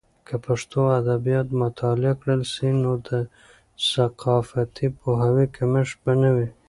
که پښتو ادبیات مطالعه کړل سي، نو د ثقافتي پوهاوي کمښت به نه وي.